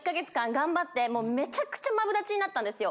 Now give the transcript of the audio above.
めちゃくちゃマブダチになったんですよ。